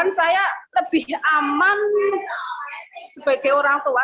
dan saya lebih aman sebagai orang tua